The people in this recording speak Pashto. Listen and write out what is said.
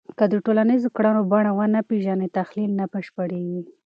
که د ټولنیزو کړنو بڼه ونه پېژنې، تحلیل نه بشپړېږي